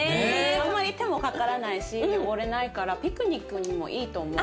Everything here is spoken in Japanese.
あんまり手もかからないし汚れないからピクニックにもいいと思う。